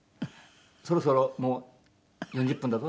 「そろそろもう４０分だぞ。